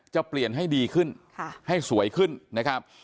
จะเปลี่ยนให้ดีขึ้นให้สวยขึ้นนะครับ